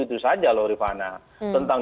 itu saja loh rifana tentang